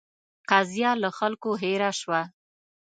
قضیه له خلکو هېره شوه.